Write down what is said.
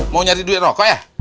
mau nyari duit rokok ya